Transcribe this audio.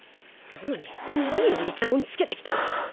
なのに何をイチャモンつけてきたんだ。